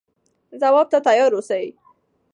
ځواب ته تیار اوسئ.